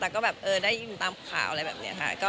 แล้วก็แบบได้ยินตามข่าวอะไรแบบนี้ค่ะ